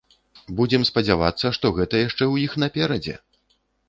Будзем спадзявацца, што гэта яшчэ ў іх наперадзе!